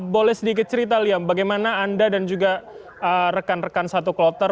boleh sedikit cerita liam bagaimana anda dan juga rekan rekan satu kloter